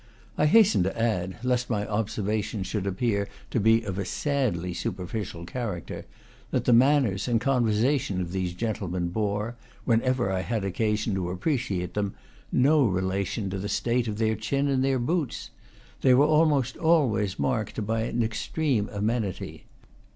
I hasten to add, lest my observation should appear to be of a sadly superficial character, that the manners and conversation of these gentlemen bore (whenever I had occasion to appreciate them) no relation to the state of their chin and their boots. They were almost always marked by an extreme amenity.